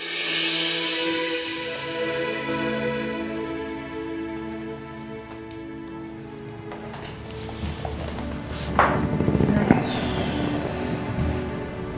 mama akan selalu doain roy